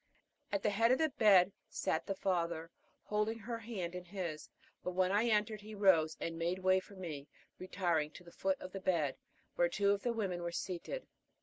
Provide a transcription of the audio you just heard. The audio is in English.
At the head of the bed sat the father, holding her hand in his; but when I entered he rose and made way for me, retiring to the foot of the bed, where two of the women were seated.